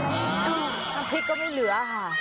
น้ำพริกก็ไม่เหลือค่ะ